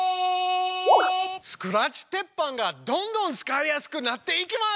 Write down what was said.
スクラッチ鉄板がどんどん使いやすくなっていきます！